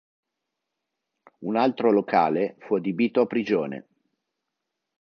Un altro locale fu adibito a prigione.